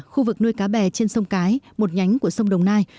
khu vực nuôi cá bè trên sông cái một nhánh của sông đồng nai